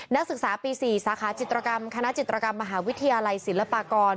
นักศึกษาปี๔สาขาจิตรกรรมคณะจิตรกรรมมหาวิทยาลัยศิลปากร